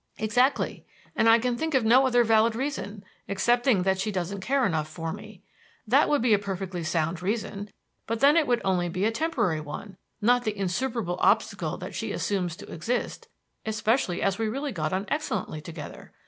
"Exactly. And I can think of no other valid reason, excepting that she doesn't care enough for me. That would be a perfectly sound reason, but then it would only be a temporary one, not the insuperable obstacle that she assumes to exist, especially as we really got on excellently together.